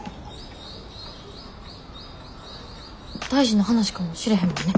大事な話かもしれへんもんね。